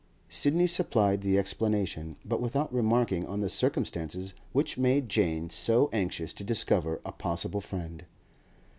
Sidney supplied the explanation, but without remarking on the circumstances which made Jane so anxious to discover a possible friend.